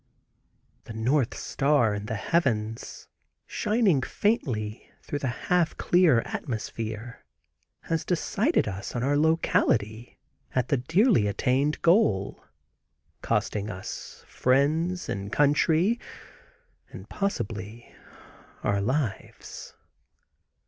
The north star in the heavens, shining faintly through the half clear atmosphere, has decided us on our locality at the dearly attained goal, costing us friends, and country, and possibly our lives.